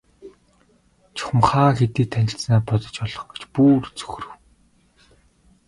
Чухам хаа хэдийд танилцсанаа бодож олох гэж бүр цөхрөв.